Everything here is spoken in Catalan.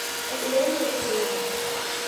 Encén els llums.